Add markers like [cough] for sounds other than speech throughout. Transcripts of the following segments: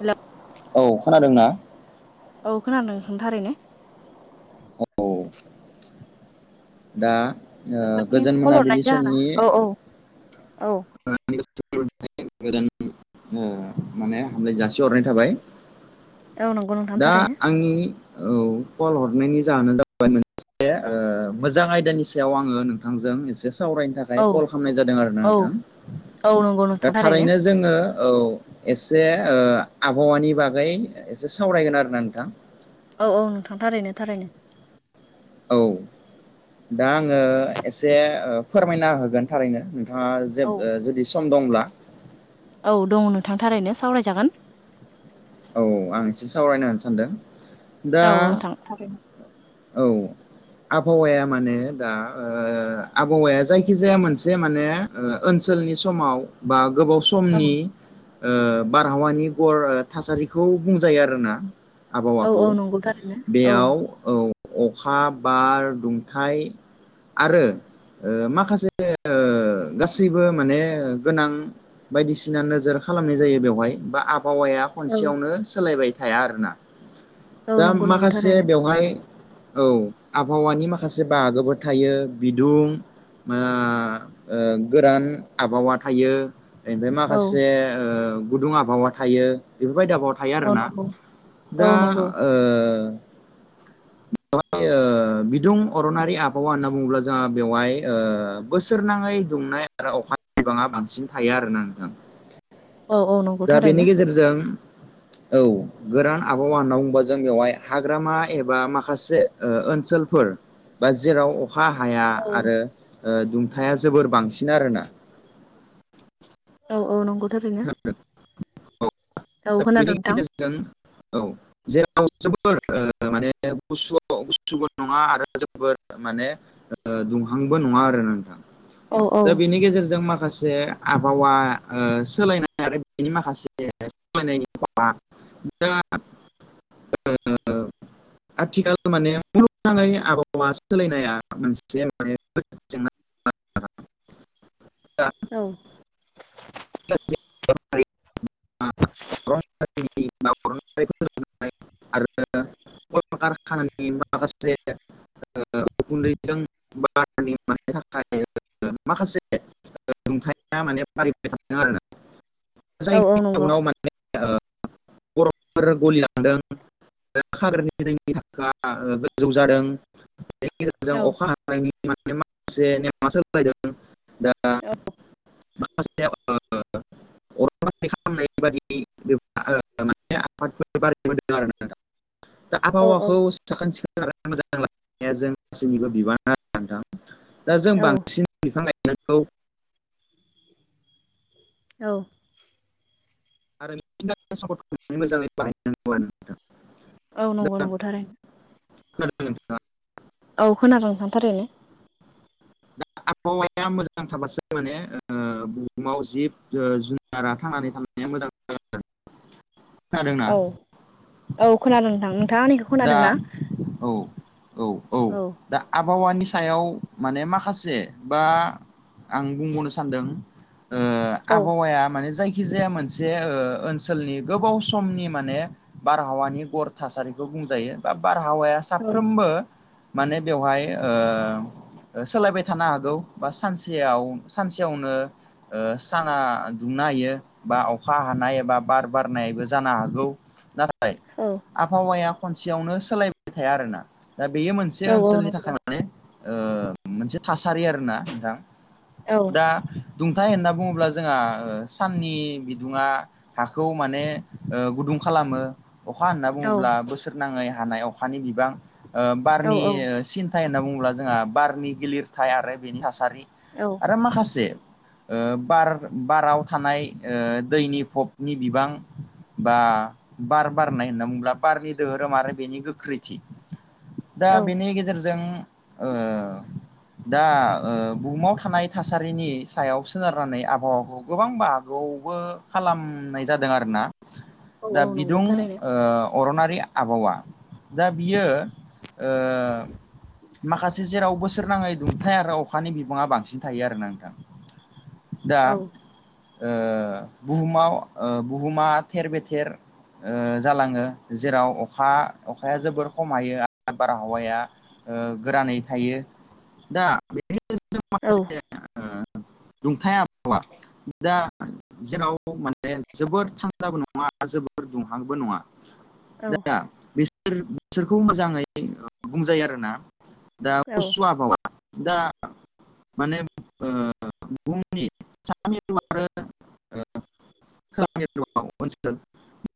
हेल'। औ खोनादोंना? औ खोनादों थारैनो। औ दा ओ नोंथांनि गोजोन खल मोनाबिलि हरनायनि जाहोना आंनि गोसो गोर्बोनिफ्राय गोदान माने हामलाय जासिहरनाय थाबाय। औ नंगौ नोंथां दा थारैनो आंनि औ कल हरनायनि जाहोनानो जाबाय मोनसे ओ मोजां आयदानि आङो नोंथांजों एसे सावरायनो थाखाय थाखाय औ कल खालामनाय जादों आरोना औ नोंथां औ नंगौ दा नोंथां थारैनो जोङो औ एसे ओ आबहावानि बागै एसे सावरायगोन आरोना नोंथां। औ औ नोंथां थारैनो थारैनो। औ दा आङो एसे फोरमायना होगोन थारैनो नों नोंथाङा जे औ जुदि सम दंब्ला। औ दङ नोंथां थारैनो सावरायजागोन। औ आं एसे सावरायनो होननानै सानदों दा औ नोंथां थारैनो औ। आबहावाया माने दा ओ आबहावाया जायखिजाया मोनसे माने ओ ओनसोलनि समाव बा गोबाव औ समनि ओ बारहावानि गर। थासारिखौ बुंजायो आरोना औ आबहावाखौ औ नंगौ थारैनो औ बेयाव औ अखा बार दुंथाय आरो माखासे गासैबो माने गोनां बायदिसिना नोजोर खालामनाय जायो बेवहाय बा आबहावाया औ खनसेयावनो थाया आरोना। औ दा नंगौ नंगौ माखासे थारैनो बेवहाय औ आबहावानि माखासे बाहागोफोर थायो बिदुं बा गोरान आबहावा थायो। बेनिफ्राय औ माखासे गुदुं आबहावा थायो बेफोरबायदि आबहावा थायो आरो औ ना नंगौ औ दा नंगौ ओ [inaudible] ओ बिदुं अरनारि आबहावा होनना बुङोब्ला जोंहा बेवहाय ओ बोसोर नाङै दुंनाय आरो अखा बिबाङा बांसिन थायो आरोना नोंथां। [inaudible] औ औ नंगौ दा बेनि थारैनो गेजेरजों [inaudible] औ गोरान आबहावा होनना बुंबा जों बेवहाय हाग्रामा एबा माखासे ओनसोलफोर बा जेराव अखा हाया औ आरो दुंथाया जोबोर बांसिन आरोना। औ औ नंगौ थारैनो। औ औ दा बिनि खोनादों नोंथां गेजेरजों जों औ जेराव जोबोर माने बे गुसुआव [unintelligible] नङा आरो [unintelligible] माने दुंहांबो नङा आरो ना नोंथां। औ औ दा बेनि गेजेरजों माखासे आबहावा ओ सि सोलायनाय आरो बिनि माखासे [unintelligible] [unintelligible] [inaudible] आथिखालाव माने मुलुगनाङै आबहावा सोलायनाया मोनसे माने [unintelligible] औ [unintelligible] आरो कलकारखानानि माखासे उखुन्दैजों [unintelligible] माखासे दुंथाइआ माने बारायबाय थादों आरो औ औ जायनि नंगौ जाउनाव माने ओ बर'फफोरा गलिलांदों। [unintelligible] गोजौ जादों। बेनि गेजेरजों औ अखा हानायनि माने माखासे नेमा सोलायदों। दा औ [unintelligible] [unintelligible] दा औ आबहावाखौ साखोन सिखोनै मोजाङै लाखिनाया जों गासैनिबो बिबान [unintelligible] नोंथां दा जों औ बांसिन बिफां गायनांगौ। औ [unintelligible] औ नंगौ दा नंगौ थारैनो। खोनादों नोंथाङा? औ खोनादों नोंथां थारैनो। दा आबहावाया मोजां थाबासो माने ओ ओ बुहुमाव जिब ओ जुनारा थांनानै थांनाया मोजां [unintelligible] खोनादोंना औ औ खोनादों नोंथां नोंथाङा आंनिखौ दा खोनादों ना? औ औ। औ। दा आबहावानि सायाव माने माखासे बा आं बुंबावनो सानदों ओ औ आबहावाया माने जायखिजाया मोनसे ओ ओनसोलनि गोबाव समनि माने बारहावानि गर थासारिखौ बुंजायो बा बारहावाया औ साफ्रोमबो माने बेवहाय ओ ओ सोलायबाय थानो हागौ बा सानसेयाव सानसेयावनो ओ साना दुंनो हायो बा अखा हानाय एबा बार बारनायबो जानो हागौ। नाथाय औ। आबहावाया खनसेयावनो सोलायबाय थाया आरोना दा बेयो मोनसे औ ओनसोलनि नंगौ थाखाय माने ओ मोनसे थासारि आरोना नोंथां औ दा दुंथाय होनना बुङोब्ला जोंहा ओ साननि बिदुुंङा हाखौ माने ओ गुदुं खालामो अखा होनना औ बुङोब्ला बोसोर नाङै हानाय अखानि बिबां ओ औ बारनि सिन्थाय होनना बुङोब्ला बारनि गिलिरथाय आरो बेनि थासारि औ। आरो माखासे ओ बार बाराव थानाय ओ दैनि फबनि बिबां बा बार बारनाय होनना बुङोला बारनि दोहोरोम आरो बेनि गोख्रै थि दा बेनि गेजेरजों ओ दा ओ बुहुमाव थानाय थासारिनि सायाव सोनारनानै आबहावाखौ गोबां बा [unintelligible] बो खालामनाय जादों आरोना औ दा औ नंगौ बिदुं थारैनो ओ अरनारि आबहावा दा बियो ओ माखासे जेराव बोसोर नाङै दुंथाय आरो अखानि बिबाङा बांसिन थायो आरो ना नोंथां। दा औ ओ बुहुमाव ओ बुहुमा थेर बेथेर ओ जालाङो जेराव अखा अखाया जोबोर खम हायो आरो बारहावाया ओ गोरानै थायो दा बेनि गेजेरजों औ माखासे दुंथाय आबहावा दा जेराव माने जोबोद थान्दाबो नङा जोबोर दुंहांबो नङा दा बिस बिसोर बिसोरखौ मोजाङै बुंजायो आरोना दा औ कुसु आबहावा दा माने ओ बहुमनि सा मिरु आरो ओ खोला मिरुआव ओनसो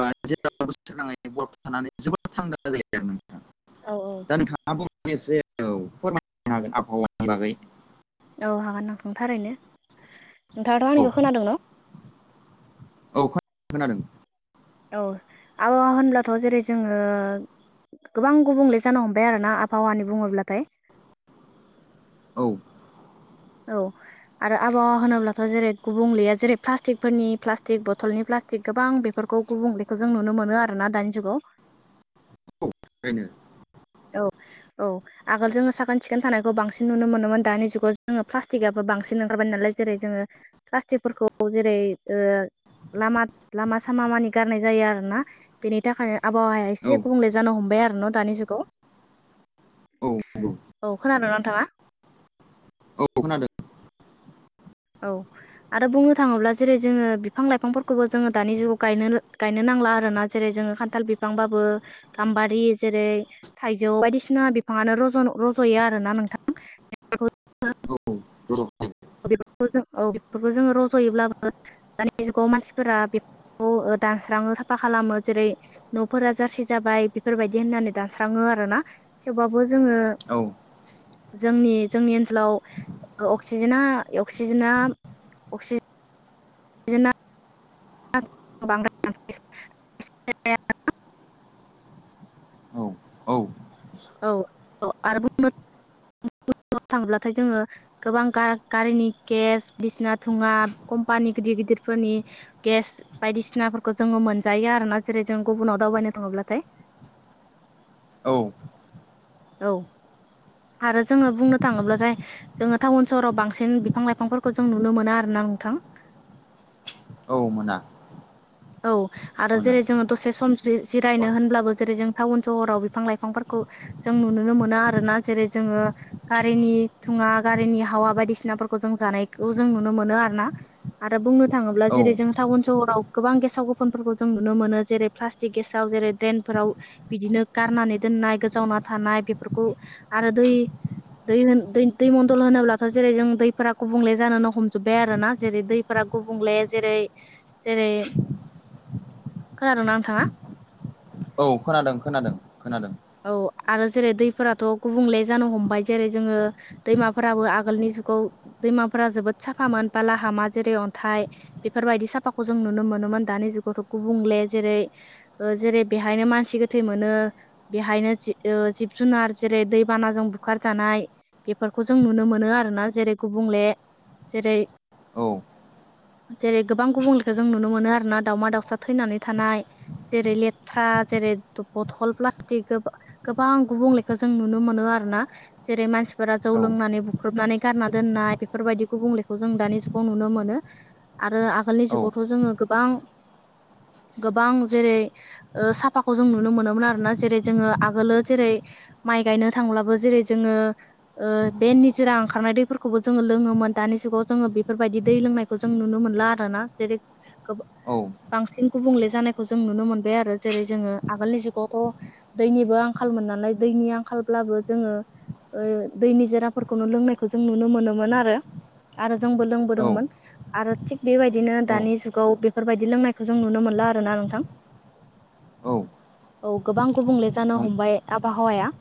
बा जेब्ला सोराङै गफोर थानानै जोबोद थांदां जायो आरो नोंथां। औ औ। दा नोंथाङा बुं एसे औ फोरमायनो हागोन आबहावानि बागै। औ हागोन नोंथां थारैनो नोंथाङाथ' औ आंनिखौ खोनादों न'? औ खो खोनादों। औ आबहावा होनब्लाथ' जेरै जोङो गोबां गुबुंले जानो हमबाय आरो ना आबहावानि बुङोब्लाथाय औ। औ आरो आबहावा होनोब्लाथ' जेरै गुबुंलेया जेरै प्लास्टिकफोरनि प्लास्टिक बथलनि प्ला स्टिक गोबां बेफोरखौ गुबुंगलेखौ जों नुनो मोनो आरो ना दानि जुगाव बेनो औ औ। आगोल जोङो साखोन सिखोन थानायखौ बांसिन नुनो मोनोमोन दानि जुगाव जोङो प्लास्टिकआबो बांसिन ओंखारबाय नालाय जेरै जोङो प्लास्टिकफोरखौ जेरै ओ लामा लामा सामा मानि गारनाय जायो आरोना बेनि थाखायनो‌ आबहावाया औ एसे गुबुंले जानो हमबाय आरो न' दानि जुगाव औ नंगौ औ खोनादोंना नोंथाङा? औ खोनादों। औ। आरो बुंनो थाङोब्ला जेरै जोङो बिफां लाइफांफोरखौबो जोङो दानि जुगावायनो गायनो -गायनो नांला आरोना जेरै जोङो‌ खान थाल बिफांबाबो गाम्बारि जेरै थाइजौ बायदिसिना बिफाङानोज र'जनो रज'यो आरो ना नोंथां [unintelligible] जों औ बेफोरखौ जोङो रज'योब्लाबो दानि जुगाव मानसिफोरा बे अ दानस्राङो साफा खालामो जेरै न'फोरा जारसि जाबाय बेफोरबायदि होननानै दानस्राङो आरोना थेवबाबो जोङो जोंनि जोंनि ओनसोलाव अक्सिजेना अक्सिजेना अक्सि जेना बांगा औ औ औ आरो बुंनो थांब्लाथाय जोङो गोबां गा गारिनि केस बिसिना थुङा कम्पानि गिदिर गिदिरफोरनि गेस बायदिसिनाफोरखौ जोङो मोनजायो आरोना जेरै जों गुबुनाव दावबायनो थाड़ोब्लाथाय औ। औ। आरो जोङो बुंनो थाङोब्लाथाय जोङो टाउन सहराव बांसिन बिफां लाइफांफोरखौ जों नुनो मोनो आरोना नोंथां। औ मोना। औ। आरो मोना जेरै जोङो दसे सम जि जिरायनो होनब्लाबो जेरै जों टाउन सहराव बिफां लाइफांफोरखौ जों नुुनुनो मोनो आरोना जेरै जोङो गारिनि थुङा गारिनि हावा बायदिसिनाफोरखौ जों जानायखौ जों नुनो मोनो आरो ना आरो बुंनो थाङोब्ला औ जेरै जों टाउन सहराव गोबां गेसाव गोफोनफोरखौ जों नुनो मोनो जेरै प्लास्टिक गेसाव जेरै डेनफोराव बिदिनो गारनानै दोननाय गोजावना थानाय बेफोरखौ आरो दै दै होन दै दै मन्दल होनोब्लाथ' जेरै जों दैफोरा गुबुंले जानोनो हमजोब्बाय आरो ना जेरै दै फोरा गुबुंले जेरै जेरै खोनादों ना नोंथाङा? औ खोनादों खोनादों खोनादों औ आरो जेरै दैफोराथ' गुबुंले जानो हमबाय जेरै जोङो दैमाफोराबो आगोलनि जुगाव दैमाफोरा जोबोद साफामोन बालाहामा जेरै अन्थाइ बेफोरबायदि साफाखौ जों नुनो मोनोमोन दानि जुगावथ' गुबुंले जेरै जेरै बेहायनो मानसि गोथै मोनो बेहायनो जि जिब जुनार जेरै दैबानाजों बुखारजानाय बेफोरखौ जों नुनो मोनो आरोना जेरै गुबुंले जेरै औ जेरै गोबां गुबुनलेखौ जों नुनो मोनो आरो ना दावमा दाउसा थैनानै थानाय जेरै लेथ्रा जेरै बथलप्लास गोब गोबां गुबुंलेखो जों नुनो मोनो आरो ना जेरै मानसिफोरा जौ औ लोंनानै बुख्रुबनानै गारना दोननाय बेफोरबायदि गुबुंलेखौ जों दानि जुगाव नुनो मोनो। आरो आगोलनि औ जुगावथ' जोङो गोबां गोबां जेरै ओ साफाखौ जों नुनो मोनोमोन आरोना जेरै जोङो आगोलो जेरै माइ गायनो थांब्लाबो जेरै जोङो ओ बे निजोरा ओंखारनाय दैफोरखौबो जोङो लोङोमोन दानि जुगाव जोङो बेफोरबायदि दै लोंनाय खौ जों नुनो मोनला आरो ना जेरै गोबां बांसिन गुबुंले जानायखौ जों नुनो मोनबाय आरो जेरै जोङो आगोलनि जुगावथ' दैनिबो आंखालमोननालाय दैनि आंखालब्लाबो जोङो ओ दैनि जेराफोरखौनो लोंनायखौ जों नुनो मोनोमोन आरो आरो जोंबो लोंबोदोंमोन। आरो थिग बेबायदिनो दानि जुगाव बेफोरबायदि लोंनायखौ जों नुनो मोनला आरो ना नोंथां। औ औ गोबां गुबुंले जानो नं हमबाय आबहावाया।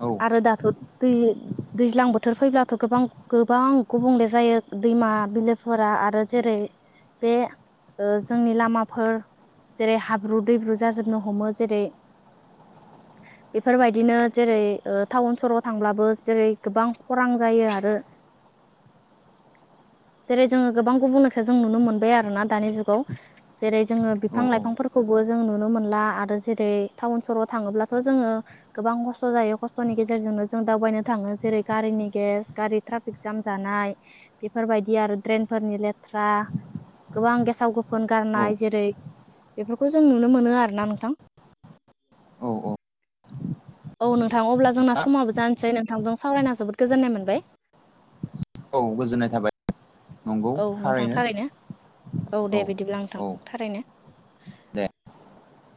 औ आरो दाथ' दै दैज्लां बोथोर फैब्लाथ' गोबां गोबां गुबुंले जायो दैमा बिलोफोरा आरो जेरै बे ओ जोंनि लामाफोर जेरै हाब्रु दैब्रु जाजोब नो हमो जेरै बेफोरबायदिनो जेरै ओ टावन सहराव थांब्लाबो जेरै गोबां खरां जायो आरो [inaudible] जेरै जोङो गोबां गुबुंनायखौ जों नुनो मोनबाय आरो ना दानि जुगाव जेरै जोङो औ बिफां लाइफांफोरखौबो जों नुनो मोनला आरो जेरै टाउन सहराव थाङोब्लाथ' जोङो गोबां खस्थ' जायो खस्थ'नि गेजेरजोंनो जों दावबायनो थाङो जेरै गारिनि गेस गारि ट्राक फिक जाम जानाय बेफोरबायदि आरो ट्रेनफोरनि लेथ्रा गोबां गेसाव गोफोन औ गारनाय जेरै बेफोरखौ जों नुनो मोनो आरो ना नोंथां औ औ नोंथां अब्ला जोंना समाबो जानोसै नोंथांजों सावरायना जोबोद गोजोननाय मोनबाय। औ गोजोननाय थाबाय नंगौ औ नोंथां थारैनो औ दे बिदिब्ला नोंथां औ। थारैनो दे